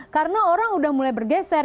karena orang udah mulai bergeser